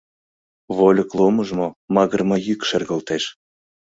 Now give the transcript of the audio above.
Вольык ломыжмо, магырыме йӱк шергылтеш.